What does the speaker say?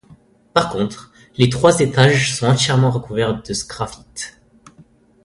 Par contre, les trois étages sont entièrement recouverts de sgraffites.